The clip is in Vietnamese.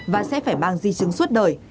và sẽ phải mang di chứng suốt đời